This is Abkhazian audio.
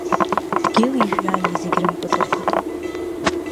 Дгьыли жәҩани зегьы рымпыҵаркит.